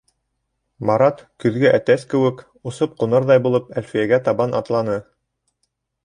Марат, көҙгө әтәс кеүек, осоп ҡунырҙай булып, Әлфиәгә табан атланы.